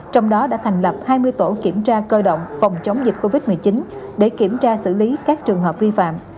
trong đó đã thành lập hai mươi tổ kiểm tra cơ động phòng chống dịch covid một mươi chín để kiểm tra xử lý các trường hợp vi phạm